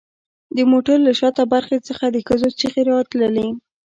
د موټر له شاته برخې څخه د ښځو چیغې راتلې